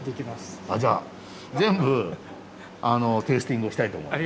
あじゃあ全部テースティングをしたいと思います。